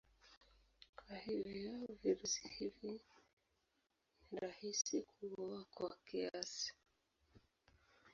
Kwa hivyo virusi hivi ni rahisi kuua kwa kiasi.